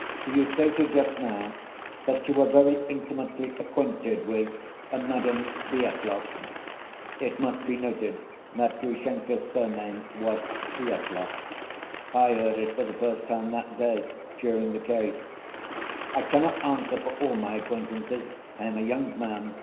You stated just now that you were very intimately acquainted with Madame Svyetlov." (It must be noted that Grushenka's surname was Svyetlov. I heard it for the first time that day, during the case.) "I cannot answer for all my acquaintances.... I am a young man